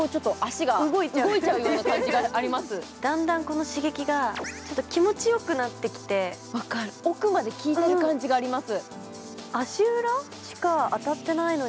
だんだんこの刺激が気持ちよくなってきて奥まできいている感じがあります。